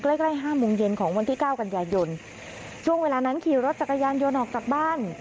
ใกล้ใกล้ห้าโมงเย็นของวันที่เก้ากันยายนช่วงเวลานั้นขี่รถจักรยานยนต์ออกจากบ้าน